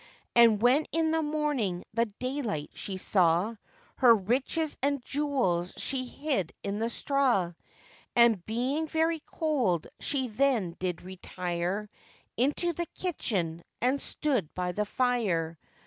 And when in the morning the daylight she saw, Her riches and jewels she hid in the straw; And, being very cold, she then did retire Into the kitchen, and stood by the fire.